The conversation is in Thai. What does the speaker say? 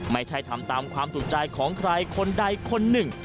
ไม่ใช่ทำตามความถูกใจของใครคนใดคนหนึ่ง